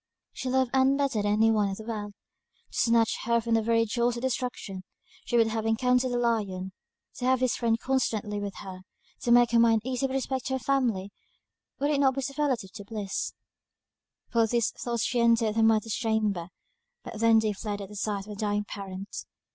She loved Ann better than any one in the world to snatch her from the very jaws of destruction she would have encountered a lion. To have this friend constantly with her; to make her mind easy with respect to her family, would it not be superlative bliss? Full of these thoughts she entered her mother's chamber, but they then fled at the sight of a dying parent.